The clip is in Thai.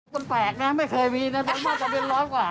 มันแปลกนะไม่เคยมีนะมันมากกว่าเป็นร้อนกว่า